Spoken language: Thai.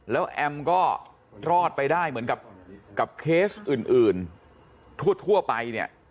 แล้วแอมก็รอดไปได้เหมือนกับเคสอื่นทั่วไปเนี่ย